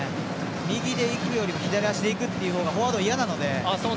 右でいくよりも左足でいくほうがフォワードは嫌なので。